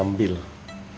mengambil sesuatu apa apa